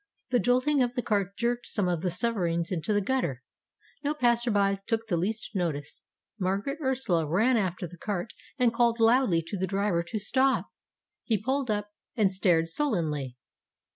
The jolting of the cart jerked some of the sovereigns into the gutter. No passer by took the least notice. Margaret Ursula ran after the cart and called loudly to the driver to stop. He pulled up and stared sul lenly.